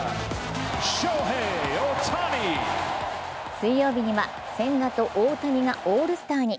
水曜日には千賀と大谷がオールスターに。